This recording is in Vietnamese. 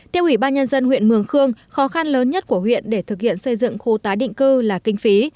theo ủy ban nhân dân huyện mường khương khó khăn lớn nhất của huyện để thực hiện xây dựng khu tái định cư là kinh phí